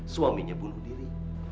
suaminya bunuh diri